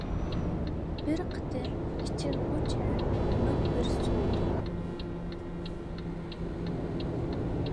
بىر قېتىم ئېچىلغۇچە مىڭ بىر سولدۇم.